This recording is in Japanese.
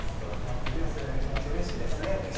次の世代の気持ちうれしいですね。